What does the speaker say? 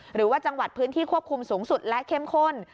หรือว่าจังหวัดพื้นที่ควบคุมสูงสุดและเข้มข้น